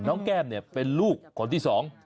น้องแก๊มเป็นลูกคนที่๒